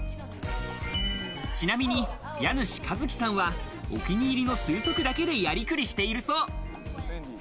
ちなみに家主・一騎さんはお気に入りの数足だけでやりくりしているそう。